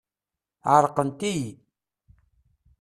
Ɛerqent-iyi.